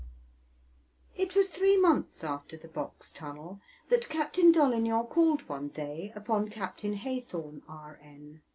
It was three months after the Box Tunnel that Captain Dolignan called one day upon Captain Haythorn, R.N.